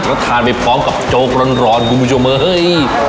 แล้วทานไปพร้อมกับโจ๊กร้อนคุณผู้ชมเฮ้ย